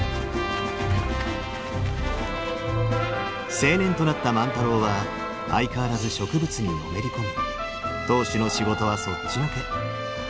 青年となった万太郎は相変わらず植物にのめり込み当主の仕事はそっちのけ。